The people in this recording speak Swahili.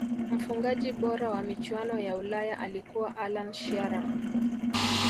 mfungaji bora wa michuano ya Ulaya alikuwa allan shearer